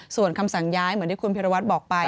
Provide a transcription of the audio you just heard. ส่วนคำสั่งย้ายเหมือนที่คุณพิรวัตรบอกไป